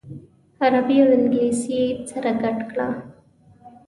عربي او انګلیسي یې سره ګډه کړه.